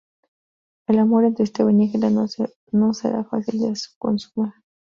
El amor entre Esteban y Ángela no será fácil de consumar.